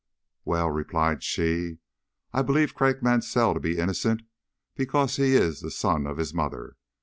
"Well," replied she, "I believe Craik Mansell to be innocent because he is the son of his mother.